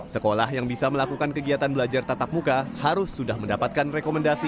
sekolah yang bisa melakukan kegiatan belajar tatap muka harus sudah mendapatkan rekomendasi